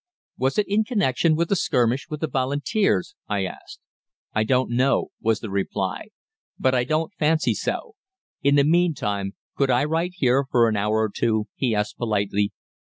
"'Was it in connection with the skirmish with the Volunteers?' I asked. "'I don't know,' was the reply. 'But I don't fancy so. In the meantime, could I write here for an hour or two?' he asked politely.